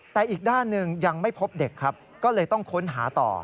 แต่อีกด้านหนึ่งยังไม่พบเด็กครับก็เลยต้องค้นหาต่อ